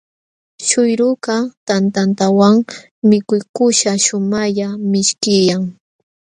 Śhuyrukaq tantantawan mikuykuśhqa shumaqlla mishkillam.